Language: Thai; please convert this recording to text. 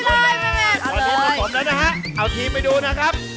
วันนี้ผสมแล้วนะฮะเอาทีมไปดูนะครับ